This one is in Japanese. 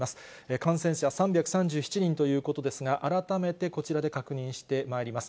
感染者３３７人ということですが、改めてこちらで確認してまいります。